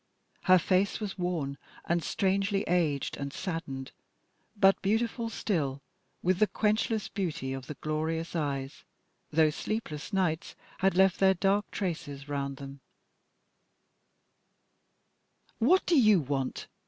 Her face was worn and strangely aged and saddened, but beautiful still with the quenchless beauty of the glorious eyes, though sleepless nights had left their dark traces round them; "What do you want?